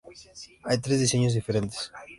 Hay tres diseños diferentes.